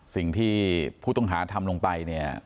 สิ่งที่ผู้ต้องหาทำลงไปเนี่ย